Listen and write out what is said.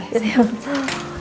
baik baik mbak